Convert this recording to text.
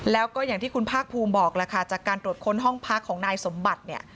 แล้วก็อย่างที่คุณภาคภูมิบอกล่ะค่ะจากการตรวจค้นห้องพักของนายสมบัติเนี่ย